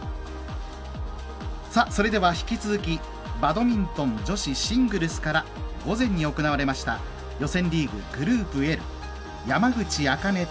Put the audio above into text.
それでは引き続きバドミントン女子シングルスから午前に行われました予選リーグ、グループＡの山口茜対